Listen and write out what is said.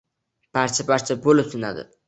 Parcha-parcha bo’lib sinadi.